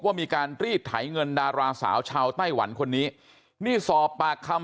ว่ามีการรีดไถเงินดาราสาวชาวไต้หวันคนนี้นี่สอบปากคำ